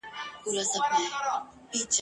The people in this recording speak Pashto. د زړګي اور دی